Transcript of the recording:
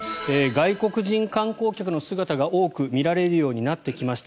外国人観光客の姿が多く見られるようになってきました。